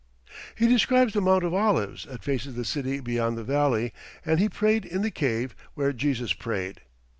He describes the Mount of Olives that faces the city beyond the valley, and he prayed in the cave where Jesus prayed.